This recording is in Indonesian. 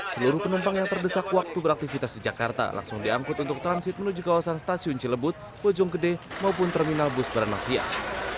seluruh penumpang yang terdesak waktu beraktivitas di jakarta langsung diangkut untuk transit menuju kawasan stasiun cilebut bojonggede maupun terminal bus beranak siang